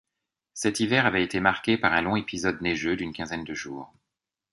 Cet hiver avait été marqué par un long épisode neigeux d'une quinzaine de jours.